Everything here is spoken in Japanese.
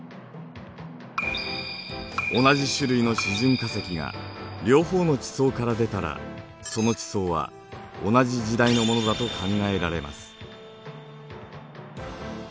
同じ種類の示準化石が両方の地層から出たらその地層は同じ時代のものだと考えられます。